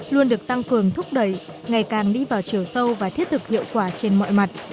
luôn được tăng cường thúc đẩy ngày càng đi vào chiều sâu và thiết thực hiệu quả trên mọi mặt